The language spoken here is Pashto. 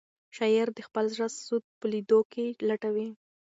شاعر د خپل زړه سود په لیدو کې لټوي.